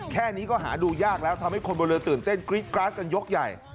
แค่นี้ก็หาดูยากแล้วทำให้คนบนเรือตื่นเต้นกรี๊ดกราดกันยกใหญ่